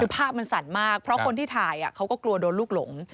คือภาพมันสั่นมากเพราะคนที่ถ่ายเขาก็กลัวโดนลูกหลง